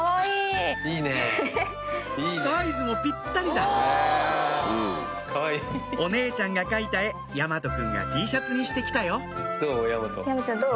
サイズもピッタリだお姉ちゃんが描いた絵大和くんがＴシャツにして来たよどう？